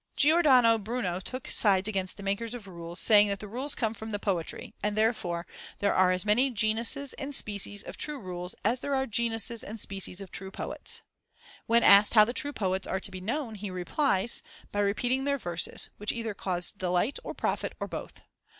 Giordano Bruno took sides against the makers of rules, saying that the rules came from the poetry, and "therefore there are as many genuses and species of true rules as there are genuses and species of true poets." When asked how the true poets are to be known, he replies, "by repeating their verses, which either cause delight, or profit, or both."